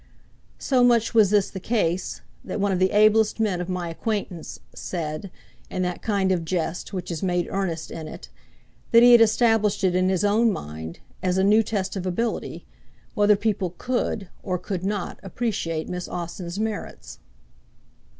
So much was this the case, that one of the ablest men of my acquaintance {136b} said, in that kind of jest which has much earnest in it, that he had established it in his own mind, as a new test of ability, whether people could or could not appreciate Miss Austen's merits.